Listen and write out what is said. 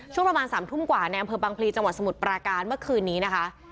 ช่วงประมาณ๓ทุ่มกว่าในอำเภอบังพลีจังหวัดสมุทรปราการเมื่อคืนนี้นะคะ